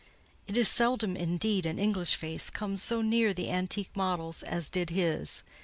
It is seldom, indeed, an English face comes so near the antique models as did his.